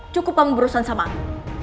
cukup kamu berurusan sama aku